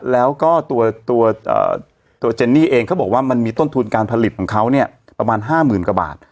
แล้วก็ตัวเจนนี่เองเขาบอกว่ามันมีต้นทุนการผลิตของเขาเนี่ยประมาณ๕๐๐๐กว่าบาท